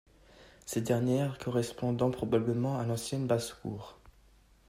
Cette dernière correspondant probablement à l'ancienne basse-cour.